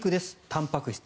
たんぱく質。